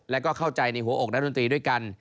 และก็เข้าใจในหัวอกนักดนตรีด้วยกัน